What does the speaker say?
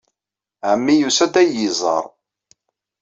Ɛemmi yusa-d ad iyi-iẓer.